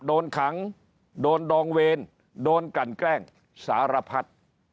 โดนขังโดนดองเวรโดนกันแกล้งสารพัด